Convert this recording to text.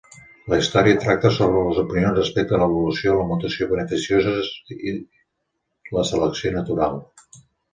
La història tracta sobre les opinions respecte a l'evolució, la mutació beneficioses i la selecció natural.